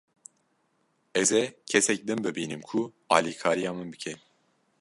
Ez ê kesek din bibînim ku alîkariya min bike.